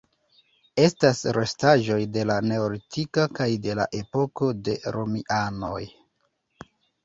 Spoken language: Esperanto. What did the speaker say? Estas restaĵoj de la Neolitiko kaj de la epoko de romianoj.